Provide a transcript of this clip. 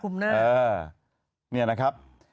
คลุมหน้า